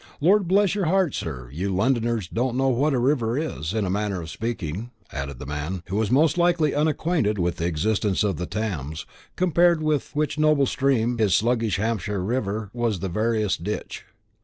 Lord bless your heart, sir, you Londoners don't know what a river is, in a manner of speaking," added the man, who was most likely unacquainted with the existence of the Thames, compared with which noble stream this sluggish Hampshire river was the veriest ditch.